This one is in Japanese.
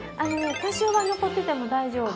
多少は残ってても大丈夫。